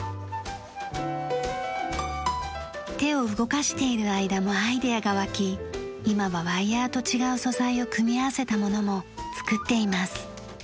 手を動かしている間もアイデアが湧き今はワイヤーと違う素材を組み合わせたものも作っています。